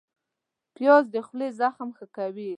پیاز د خولې زخم ښه کوي